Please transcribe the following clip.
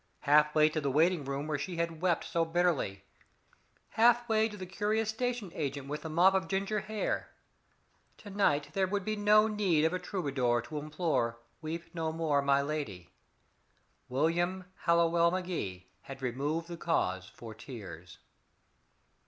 Half way to the waiting room where she had wept so bitterly; half way to the curious station agent with the mop of ginger hair. To night there would be no need of a troubadour to implore "Weep no more, my lady". William Hallowell Magee had removed the cause for tears.